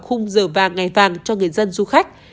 khung giờ vàng ngày vàng cho người dân du khách